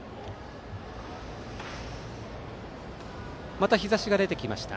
また日ざしが出てきました。